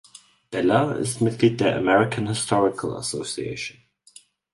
Beller ist Mitglied der American Historical Association.